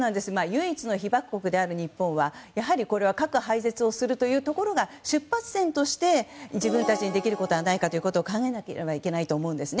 唯一の被爆国である日本は核廃絶をすることが出発点として自分たちにできることはないか考えないといけないと思います。